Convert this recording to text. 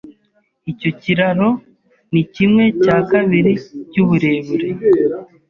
Icyo kiraro ni kimwe cya kabiri nkuburebure.